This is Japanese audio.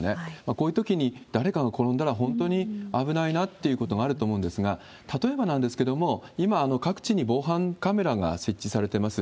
こういうときに誰かが転んだら本当に危ないなということがあると思うんですが、例えばなんですけれども、今、各地に防犯カメラが設置されてます。